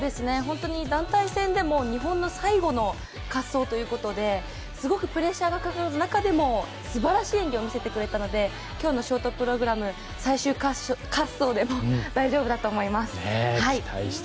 本当に団体戦でも日本の最後の滑走ということですごくプレッシャーがかかる中でもすばらしい演技を見せてくれたので今日のショートプログラム、最終滑走でも大丈夫だと思います。